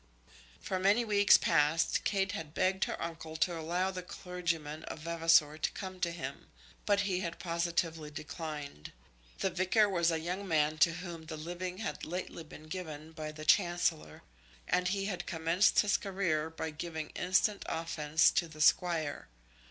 For many weeks past Kate had begged her uncle to allow the clergyman of Vavasor to come to him; but he had positively declined. The vicar was a young man to whom the living had lately been given by the Chancellor, and he had commenced his career by giving instant offence to the Squire.